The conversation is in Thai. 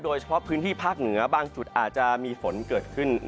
โดยเฉพาะพื้นที่ภาคเหนือบางจุดอาจจะมีฝนเกิดขึ้น